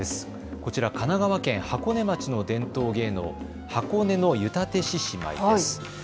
こちら、神奈川県箱根町の伝統芸能、箱根の湯立獅子舞です。